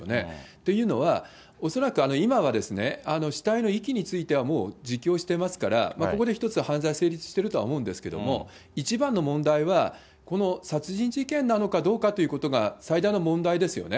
というのは、恐らく今は、死体の遺棄についてはもう自供してますから、ここで１つ犯罪成立してるとは思うんですけれども、一番の問題は、この殺人事件なのかどうかということが最大の問題ですよね。